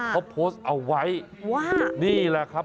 เขาโพสต์เอาไว้ว่านี่แหละครับ